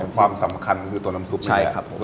ความสำคัญก็คือตัวน้ำซุปนี่แหละ